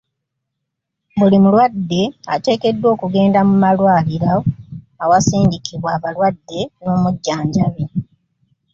Buli mulwadde ateekeddwa okugenda mu malwaliro awasindikibwa abalwadde n'omujjanjabi.